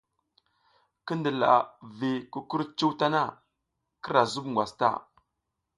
Ki ndila vi kukurcuw tana, kira zub ngwas ta.